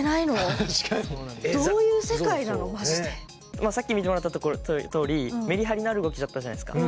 まあさっき見てもらったとおりメリハリのある動きだったじゃないですか。